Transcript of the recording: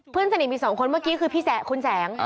เพื่อนสนิทมีสองคนเมื่อกี้คือพี่คุณแสง